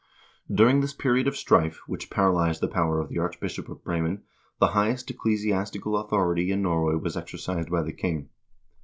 During this period of strife, which paralyzed the power of the Archbishop of Bremen, the highest ecclesiastical authority in Norway was exercised by the king.